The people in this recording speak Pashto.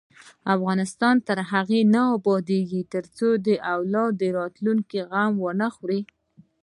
افغانستان تر هغو نه ابادیږي، ترڅو د اولاد د راتلونکي غم ونه خورئ.